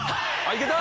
いけた！